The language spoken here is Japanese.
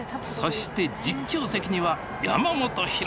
そして実況席には山本浩。